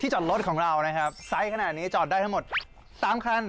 จอดรถของเรานะครับไซส์ขนาดนี้จอดได้ทั้งหมด๓คัน